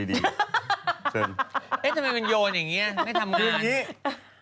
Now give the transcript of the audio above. เอ๊ะทำไมมันโยนอย่างนี้ไม่ทำงาน